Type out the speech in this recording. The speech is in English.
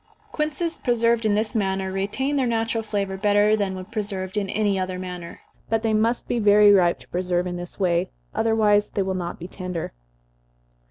Quinces preserved in this manner retain their natural flavor better than when preserved in any other manner, but they must be very ripe to preserve in this way, otherwise they will not be tender.